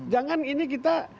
jangan ini kita